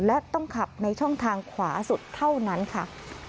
และต้องขับในช่องทางขวาสุดเท่านั้นค่ะ